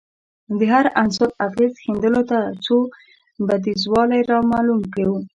د هر عنصر اغېز ښندلو څو بعدیزوالی رامعلوم کړو